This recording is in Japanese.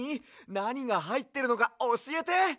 なにがはいってるのかおしえて！